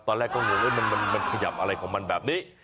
ตอนแรกก็งงว่ามันขยับอะไรของมันแบบนี้